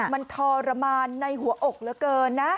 มันทรมานในหัวอกเหลือเกินนะ